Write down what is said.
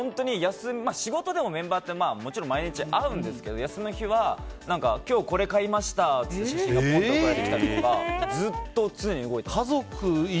仕事でもメンバーってもちろん毎日会うんですけど休みの日は今日これ買いましたっていう写真が送られてきたりとかずっと常に動いてます。